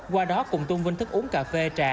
qua đó cùng tôn vinh thức uống cà phê trà